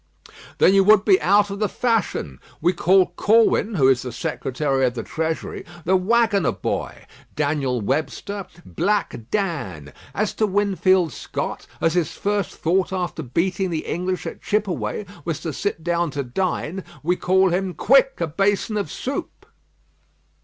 "Then you would be out of the fashion. We call Corwin, who is the Secretary of the Treasury, 'The Waggoner boy;' Daniel Webster, 'Black Dan.' As to Winfield Scott, as his first thought after beating the English at Chippeway, was to sit down to dine, we call him 'Quick a basin of soup.'"